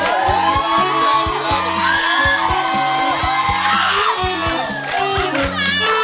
หลีลาเหลือเกินหลีลา